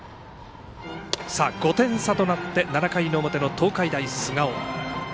５点差となって７回の表の東海大菅生。